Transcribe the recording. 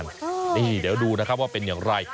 นี่เดี๋ยวดูนะครับว่าเป็นอย่างไร